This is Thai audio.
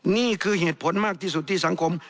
นี่คือเหตุผลมากที่สุดที่สังคม